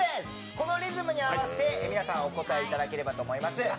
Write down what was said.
このリズムに合わせて皆さんお答えいただければと思います。